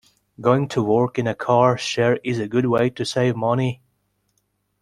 Going to work in a car share is a good way to save money.